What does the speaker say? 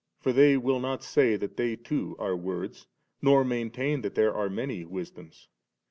for they will not say that they too are words, nor maintain that there are manv wisdoms.